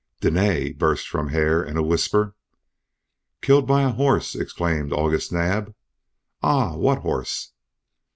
"Dene!" burst from Hare, in a whisper. "Killed by a horse!" exclaimed August Naab. "Ah! What horse?"